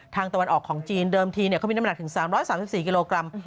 ตะวันออกของจีนเดิมทีเขามีน้ำหนักถึง๓๓๔กิโลกรัม